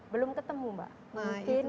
belum ketemu mbak mungkin